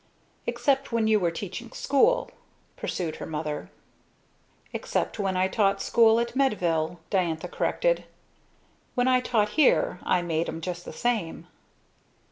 "Except when you were teaching school," pursued her mother. "Except when I taught school at Medville," Diantha corrected. "When I taught here I made 'em just the same."